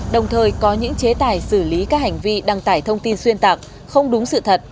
đồng thời có những chế tài xử lý các hành vi đăng tải thông tin xuyên tạc không đúng sự thật